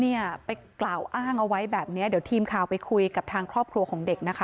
เนี่ยไปกล่าวอ้างเอาไว้แบบนี้เดี๋ยวทีมข่าวไปคุยกับทางครอบครัวของเด็กนะคะ